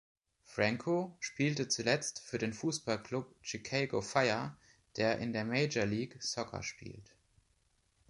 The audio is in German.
Franco spielte zuletzt für den Fußballclub Chicago Fire, der in der Major League Soccer spielt.